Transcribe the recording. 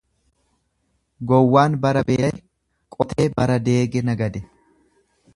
Gowwaan bara beelaye, qotee bara deege nagade.